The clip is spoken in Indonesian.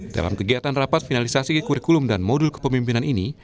dalam kegiatan rapat finalisasi kurikulum dan modul kepemimpinan ini